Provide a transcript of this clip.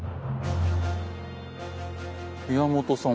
宮本さん